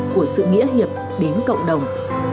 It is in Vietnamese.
của sự nghĩa hiệp đến cộng đồng